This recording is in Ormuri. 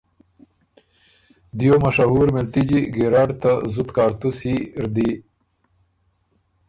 دیو مشهور مِلتِجی، ګیرډ ته زُت کاړتُسی، ر دی